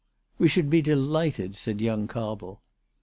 " We should be delighted," said young Cobble.